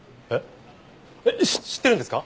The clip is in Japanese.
えっ知ってるんですか？